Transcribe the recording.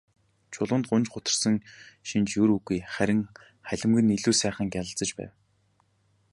Чулуунд гуньж гутарсан шинж ер үгүй, харин халимаг нь илүү сайхан гялалзаж байв.